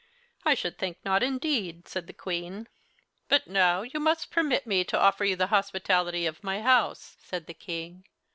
"I should think not, indeed," said the Queen. "But now you must permit me to offer you the hospitality of my house," said the King.